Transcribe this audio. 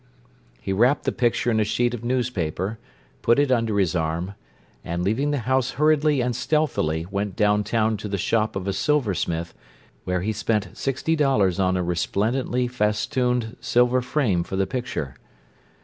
He wrapped the picture in a sheet of newspaper, put it under his arm, and, leaving the house hurriedly and stealthily, went downtown to the shop of a silversmith, where he spent sixty dollars on a resplendently festooned silver frame for the picture.